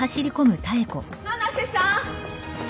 七瀬さん！